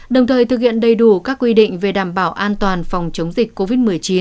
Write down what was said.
đồng thời thực hiện đầy đủ các quy định về đảm bảo an toàn phòng chống dịch covid một mươi chín